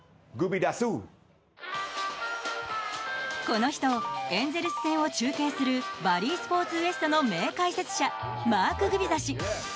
この人エンゼルス戦を中継するバリースポーツ・ウエストの名解説者マーク・グビザ氏。